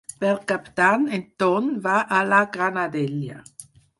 Per Cap d'Any en Ton va a la Granadella.